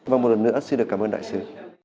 và một lần nữa xin được cảm ơn đại sứ